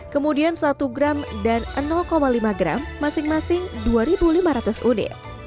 kemudian satu gram dan lima gram masing masing dua lima ratus unit